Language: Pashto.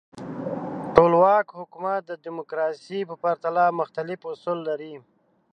ټولواک حکومت د دموکراسۍ په پرتله مختلف اصول لري.